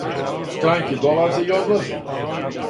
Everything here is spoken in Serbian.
Странке долазе и одлазе.